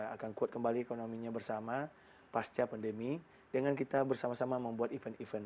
akan kuat kembali ekonominya bersama pasca pandemi dengan kita bersama sama membuat event event